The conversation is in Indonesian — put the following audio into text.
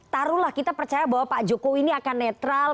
taruhlah kita percaya bahwa pak jokowi ini akan netral